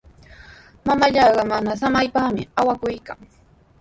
Mamallaa mana samaypami awakuykan.